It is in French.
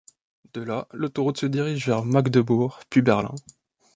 De là, l'autoroute se dirige vers Magdebourg, puis Berlin.